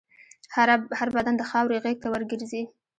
هر بدن د خاورې غېږ ته ورګرځي.